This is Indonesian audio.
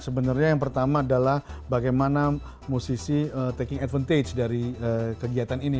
sebenarnya yang pertama adalah bagaimana musisi taking advantage dari kegiatan ini